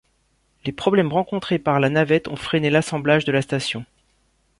Les problèmes rencontrés par la navette ont freiné l'assemblage de la station.